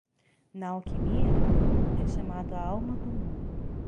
Na alquimia? é chamado a alma do mundo.